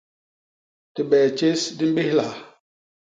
Dibee tjés di mbéhlaha.